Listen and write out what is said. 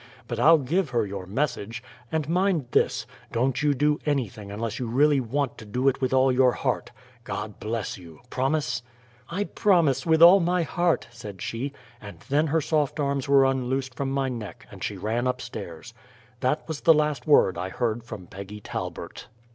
But I'll give her your message. And mind this don't you do anything unless you really want to do it with all your heart. God bless you! Promise?" "I promise, WITH ALL MY HEART," said she, and then her soft arms were unloosed from my neck and she ran up stairs. That was the last word I heard from Peggy Talbert.